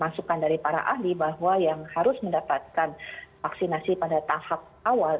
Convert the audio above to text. masukan dari para ahli bahwa yang harus mendapatkan vaksinasi pada tahap awal